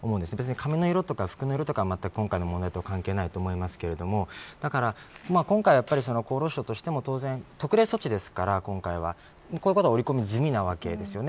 髪の色とか服の色は今回の問題と関係ないと思いますが今回、厚労省としても特例措置ですからこういったことは織り込み済みなわけですよね。